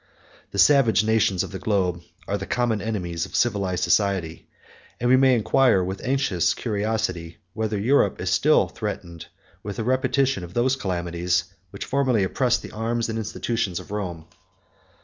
The savage nations of the globe are the common enemies of civilized society; and we may inquire, with anxious curiosity, whether Europe is still threatened with a repetition of those calamities, which formerly oppressed the arms and institutions of Rome.